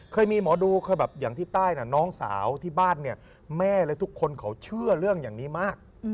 เคยมีหมอดูเคยแบบอย่างที่ใต้น่ะน้องสาวที่บ้านเนี่ยแม่และทุกคนเขาเชื่อเรื่องอย่างนี้มาก